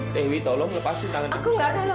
dewi tolong lepaskan tangan aku